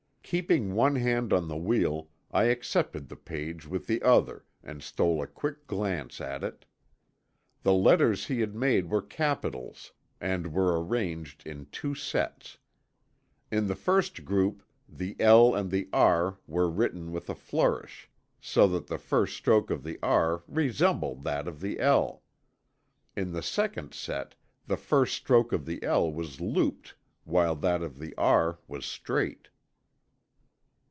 Keeping one hand on the wheel, I accepted the page with the other, and stole a quick glance at it. The letters he had made were capitals and were arranged in two sets. In the first group the L and the R were written with a flourish, so that the first stroke of the R resembled that of the L. In the second set the first stroke of the L was looped while that of the R was straight.